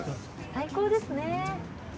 最高ですね。